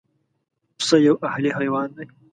پسه یو اهلي حیوان دی.